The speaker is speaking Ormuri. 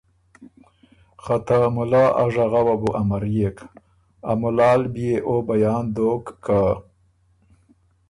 خه ته مُلا ا ژغؤه بو امريېک، ا مُلال بيې او بیان دوک که